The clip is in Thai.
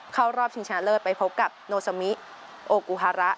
เข้ารอบชิงชนะเลิศไปพบกับโนซามิโอกูฮาระ